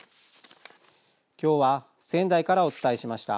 今日は仙台からお伝えしました。